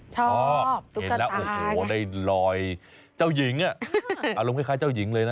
ชอบตุ๊กตาได้ลอยเจ้าหญิงอะอารมณ์คล้ายเจ้าหญิงเลยนะ